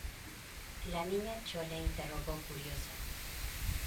la Niña Chole interrogó curiosa: